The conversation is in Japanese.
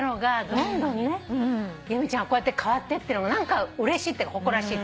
由美ちゃんがこうやって変わってってるのがうれしいっていうか誇らしい。